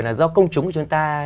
là do công chúng của chúng ta